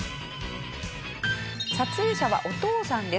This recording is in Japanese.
撮影者はお父さんです。